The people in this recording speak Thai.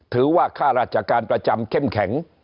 ถือว่าข้าราชการประจำเข้มแข็ง